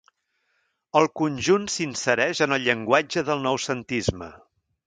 El conjunt s'insereix en el llenguatge del noucentisme.